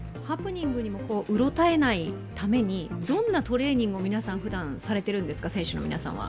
ハプニングにもうろたえないためにどんなトレーニングを皆さんふだん、されているんですか？